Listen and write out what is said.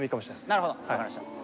なるほど分かりました。